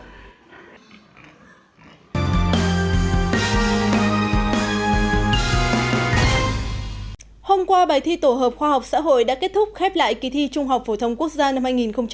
hôm qua bài thi tổ hợp khoa học xã hội đã kết thúc khép lại kỳ thi trung học phổ thông quốc gia năm hai nghìn một mươi chín